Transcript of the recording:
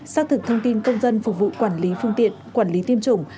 xác thực thông tin công dân phục vụ quản lý phương tiện quản lý tiêm chủng